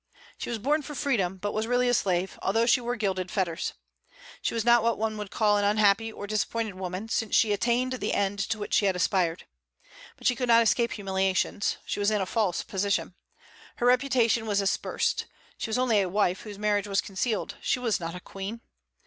She was born for freedom, but was really a slave, although she wore gilded fetters. She was not what one would call an unhappy or disappointed woman, since she attained the end to which she had aspired. But she could not escape humiliations. She was in a false position. Her reputation was aspersed. She was only a wife whose marriage was concealed; she was not a queen.